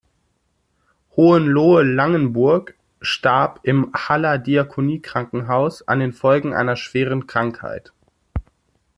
Hohenlohe-Langenburg starb im Haller Diakonie-Krankenhaus an den Folgen einer schweren Krankheit.